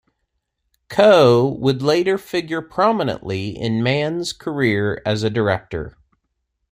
Coe would later figure prominently in Mann's career as a director.